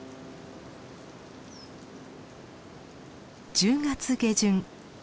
１０月下旬。